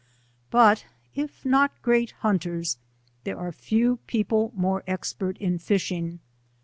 But if not great hunters, there are few people More expert in fishing.